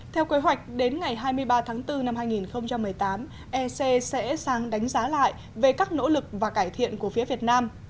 theo kế hoạch đến ngày hai mươi ba tháng bốn năm hai nghìn một mươi tám ec sẽ sang đánh giá lại về các nỗ lực và cải thiện của phía việt nam